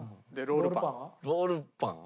ロールパン。